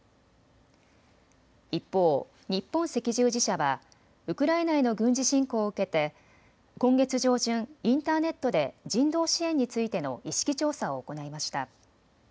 一方、日本赤十字社はウクライナへの軍事侵攻を受けて今月上旬、インターネットで人道支援についての意識調査を行いました。